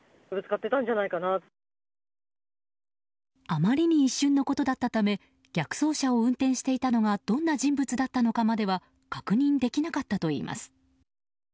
あまりに一瞬のことだったため逆走車を運転していたのがどんな人物だったのかまでは確認できなかったといいます。